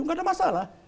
tidak ada masalah